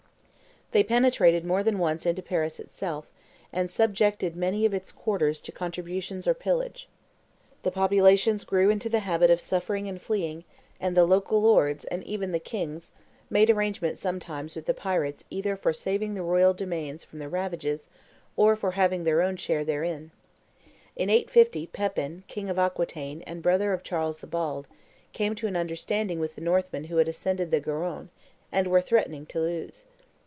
They penetrated more than once into Paris itself, and subjected many of its quarters to contributions or pillage. The populations grew into the habit of suffering and fleeing; and the local lords, and even the kings, made arrangement sometimes with the pirates either for saving the royal domains from the ravages, or for having their own share therein. In 850, Pepin, king of Aquitaine, and brother of Charles the Bald, came to an understanding with the Northmen who had ascended the Garonne, and were threatening Toulouse.